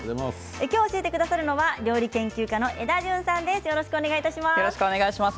今日、教えてくださるのは料理研究家のエダジュンさんです。